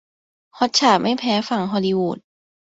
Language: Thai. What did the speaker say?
ฮอตฉ่าไม่แพ้ฝั่งฮอลลีวูด